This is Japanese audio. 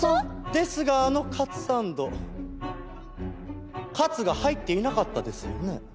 ですがあのカツサンドカツが入っていなかったですよね。